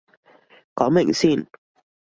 講明先